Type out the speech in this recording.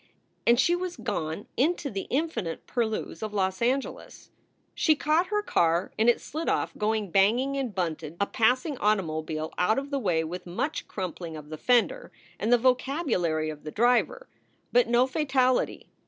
And she was gone into the infinite purlieus of Los Angeles. She caught her car and it slid off, gong banging, and bunted a passing automobile out of the way with much crumpling of the fender and the vocabulary of the driver, but no fatality.